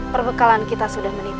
perbekalan kita sudah menipis